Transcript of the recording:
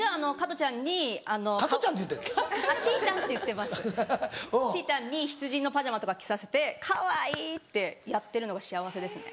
ちたんにヒツジのパジャマとか着させてかわいいってやってるのが幸せですね。